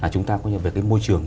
chúng ta có những việc môi trường